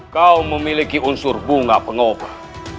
kau memiliki unsur bunga pengobat